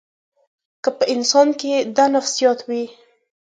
که په انسان کې دا نفسیات وي.